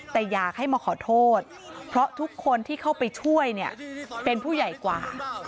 แต่อยากให้มาขอโทษเพราะทุกคนที่เข้าไปช่วยเนี่ยเป็นผู้ใหญ่กว่า